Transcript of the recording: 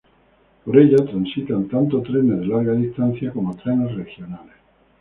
Por ella transitan tanto trenes de larga distancia como trenes regionales.